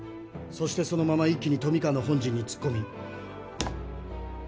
そしてそのまま一気に富川の本陣に突っ込み。